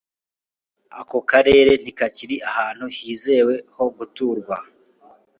Ako karere ntikakiri ahantu hizewe ho gutura.